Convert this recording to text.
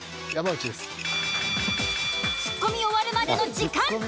ツッコみ終わるまでの時間。